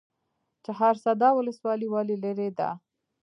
چهارسده ولسوالۍ ولې لیرې ده؟